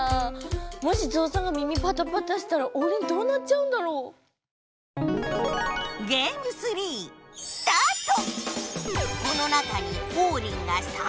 もしゾウさんが耳パタパタしたらオウリンどうなっちゃうんだろう？スタート！